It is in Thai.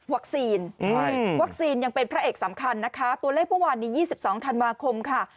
วัคซีนวัคซีนยังเป็นพระเอกสำคัญนะคะตัวเลขเมื่อวานนี้๒๒ธันวาคมค่ะ